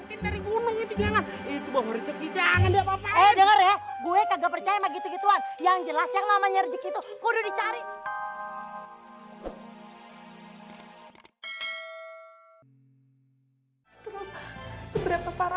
denger gue kagak percaya begitu gituan yang jelas yang namanya itu udah dicari